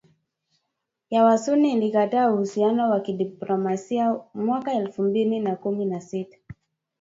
ya wasunni ilikata uhusiano wa kidiplomasia mwaka elfu mbili na kumi na sita